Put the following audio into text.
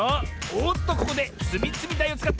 おっとここでつみつみだいをつかった！